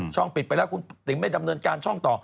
ปิดไปแล้วคุณติ๋มไม่ดำเนินการช่องต่อ